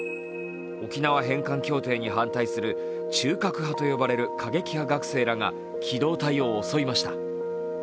沖縄返還協定に反対する中核派と呼ばれる過激派学生らが機動隊を襲いました。